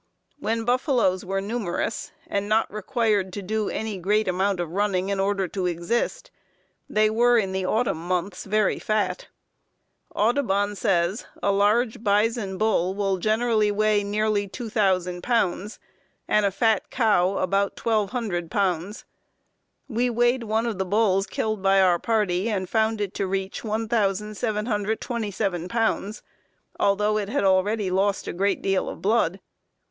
When buffaloes were numerous, and not required to do any great amount of running in order to exist, they were, in the autumn months, very fat. Audubon says: "A large bison bull will generally weigh nearly 2,000 pounds, and a fat cow about 1,200 pounds. We weighed one of the bulls killed by our party, and found it to reach 1,727 pounds, although it had already lost a good deal of blood.